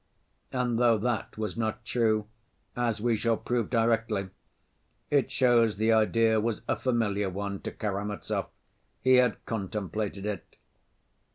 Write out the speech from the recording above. And though that was not true, as we shall prove directly, it shows the idea was a familiar one to Karamazov, he had contemplated it.